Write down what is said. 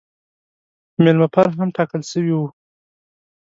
مېلمه پال هم ټاکل سوی وو.